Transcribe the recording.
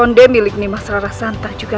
hanya menyebabkan di mana mana